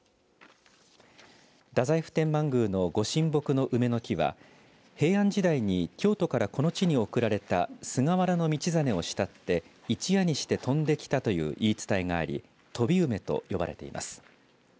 太宰府天満宮のご神木の梅の木は平安時代に京都からこの地に送られた菅原道真を慕って一夜にして飛んできたという言い伝えがあり飛梅と呼ばれています。